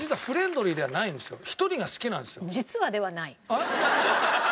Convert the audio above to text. えっ？